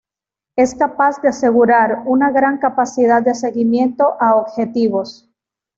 Es capaz de asegurar una gran capacidad de seguimiento a objetivos.